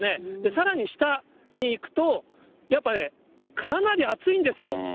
さらに下に行くと、やっぱね、かなり熱いんですよ。